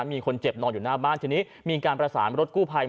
มีคนเจ็บนอนอยู่หน้าบ้านทีนี้มีการประสานรถกู้ภัย